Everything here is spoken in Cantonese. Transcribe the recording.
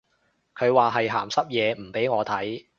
佢話係鹹濕嘢唔俾我睇